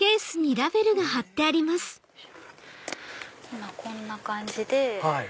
今こんな感じで。